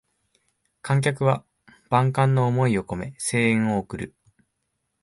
観客は万感の思いをこめ声援を送る